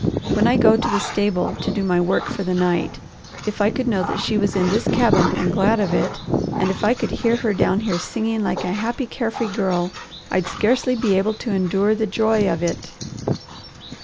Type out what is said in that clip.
When I go to the stable to do my work for the night if I could know she was in this cabin and glad of it, and if I could hear her down here singing like a happy care free girl, I'd scarcely be able to endure the joy of it."